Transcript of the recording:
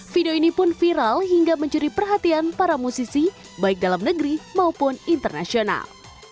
video ini pun viral hingga mencuri perhatian para musisi baik dalam negeri maupun internasional